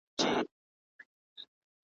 چي هرشی به یې وو لاس ته ورغلی ,